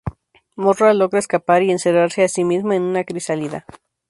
Mothra logra escapar y encerrarse a sí misma en una crisálida.